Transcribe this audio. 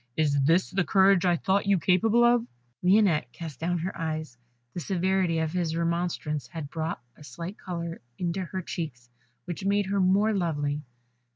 Is this the courage I thought you capable of?" Lionette cast down her eyes: the severity of this remonstrance had brought a slight colour into her cheeks, which made her more lovely.